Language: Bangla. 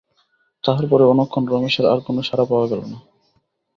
তাহার পরেও অনেকক্ষণ রমেশের আর কোনো সাড়া পাওয়া গেল না।